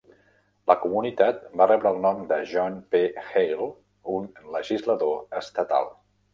La comunitat va rebre el nom de John P. Hale, un legislador estatal.